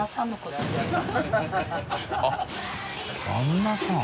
あっ旦那さん。